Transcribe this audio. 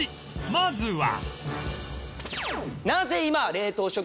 まずは